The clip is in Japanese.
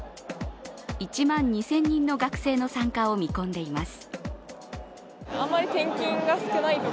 １万２０００人の学生の参加を見込んでいます。